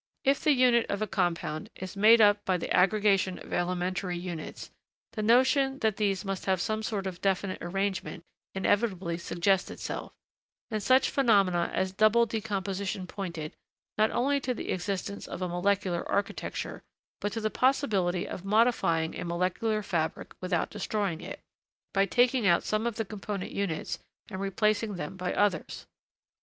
If the unit of a compound is made up by the aggregation of elementary units, the notion that these must have some sort of definite arrangement inevitably suggests itself; and such phenomena as double decomposition pointed, not only to the existence of a molecular architecture, but to the possibility of modifying a molecular fabric without destroying it, by taking out some of the component units and replacing them by others.